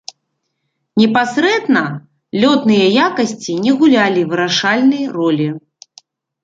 Непасрэдна лётныя якасці не гулялі вырашальнай ролі.